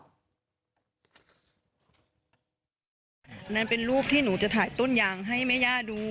นั่นเป็นรูปที่หนูจะถ่ายต้นยางให้แม่ย่าดู